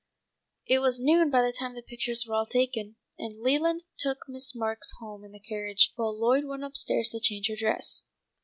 It was noon by the time the pictures were all taken, and Leland took Miss Marks home in the carriage while Lloyd went up stairs to change her dress.